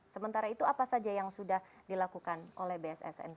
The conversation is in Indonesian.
sementara itu apa saja yang sudah dilakukan oleh bssn